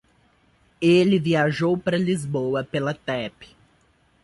Ele viajou pra Lisboa pela Tap.